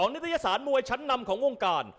นิตยสารมวยชั้นนำของวงการ